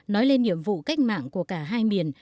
nói lên nhiệm vụ cách mạng của cả hai miền